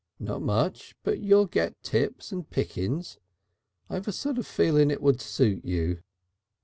"Not much, but you get tips and pickings. I've a sort of feeling it would suit you."